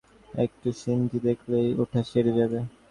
একটু সিদ্ধি দেখলেই ওটা সেরে যাবে।